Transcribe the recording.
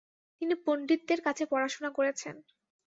তিনি পণ্ডিতদের কাছে পড়াশোনা করেছেন।